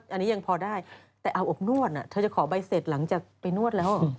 อันนี้ยังพอได้แต่อาบอบนวดเธอจะขอใบเสร็จหลังจากไปนวดแล้ว